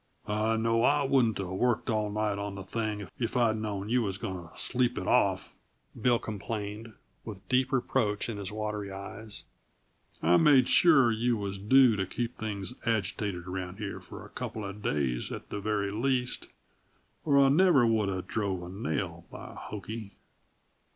"I know I wouldn't uh worked all night on the thing if I'd knowed you was goin' to sleep it off," Bill complained, with deep reproach in his watery eyes. "I made sure you was due to keep things agitated around here for a couple uh days, at the very least, or I never woulda drove a nail, by hokey!"